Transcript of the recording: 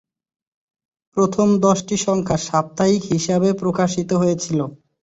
প্রথম দশটি সংখ্যা সাপ্তাহিক হিসাবে প্রকাশিত হয়েছিল।